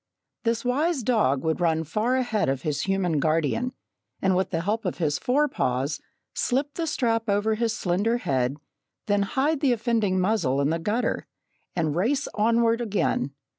This wise dog would run far ahead of his human guardian, and with the help of his forepaws slip the strap over his slender head, then hide the offending muzzle in the gutter, and race onward again.